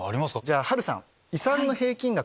じゃあ波瑠さん。